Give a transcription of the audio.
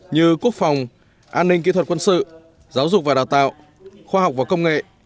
như quốc phòng an ninh kỹ thuật quân sự giáo dục và đào tạo khoa học và công nghệ